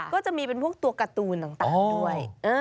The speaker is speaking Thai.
ก็จะมีเป็นพวกตัวการ์ตูนต่างด้วย